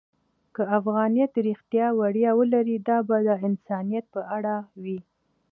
که افغانیت رښتیا ویاړ ولري، دا به د انسانیت په اړه وي.